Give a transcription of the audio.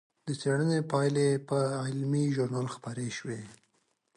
د څېړنې پایلې په علمي ژورنال خپرې شوې.